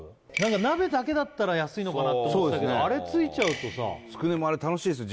鍋だけだったら安いのかなって思ってたけどあれついちゃうとさつくねもあれ楽しいですよ